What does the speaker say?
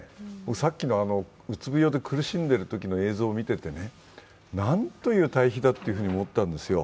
さっきの鬱病で苦しんでいるときの映像を見ていてなんという対比だと思ったんですよ。